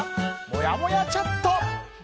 もやもやチャット。